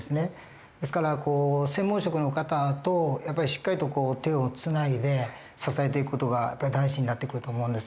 ですから専門職の方とやっぱりしっかりと手をつないで支えていく事が大事になってくると思うんです。